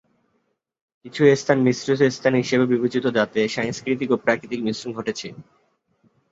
কিছু স্থান ‘মিশ্রিত স্থান’ হিসেবে বিবেচিত যাতে সাংস্কৃতিক ও প্রাকৃতিক মিশ্রণ ঘটেছে।